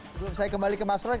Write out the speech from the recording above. sebelum saya kembali ke mas roy